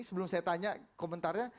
sebelum saya tanya komentarnya